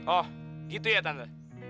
oh gitu ya tante